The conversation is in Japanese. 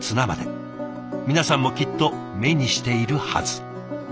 皆さんもきっと目にしているはず。